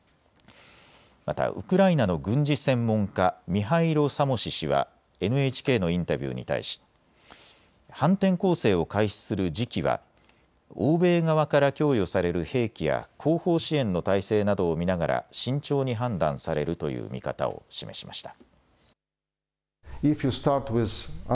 またウクライナの軍事専門家、ミハイロ・サモシ氏はＮＨＫのインタビューに対し反転攻勢を開始する時期は欧米側から供与される兵器や後方支援の態勢などを見ながら慎重に判断されるという見方を示しました。